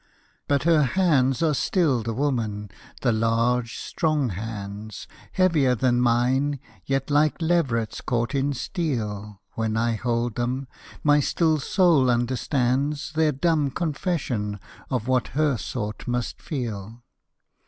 But her hands are still the woman, the large, strong hands Heavier than mine, yet like leverets caught in steel When I hold them; my still soul understands Their dumb confession of what her sort must feel.